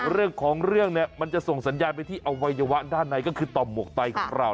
เรื่องของเรื่องเนี่ยมันจะส่งสัญญาณไปที่อวัยวะด้านในก็คือต่อหมวกไตของเรา